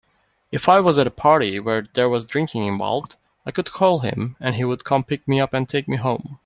If I was at a party where there was drinking involved, I could call him and he would come pick me up and take me home.